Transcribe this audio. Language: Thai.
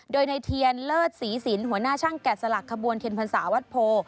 โดยในเทียนเลิศศรีสินหัวหน้าช่างแกะสลักขบวนเทียนพรรษาวัดโพ